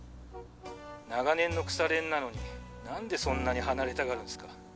長年の腐れ縁なのになんでそんなに離れたがるんですか？